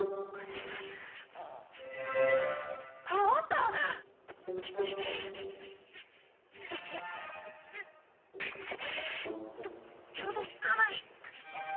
と届かない。